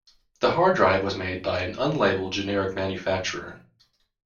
The hard drive was made by an unlabeled generic manufacturer.